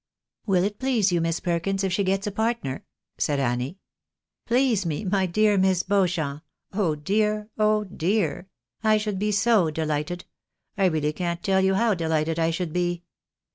" Will it please you, JMiss Perkins, if she gets a partner ?" said Annie. " Please me, my dear Miss Beauchamp ? Oh, dear ! oh, dear'! I should be so deUghted — I really can't tell you how delighted I should be."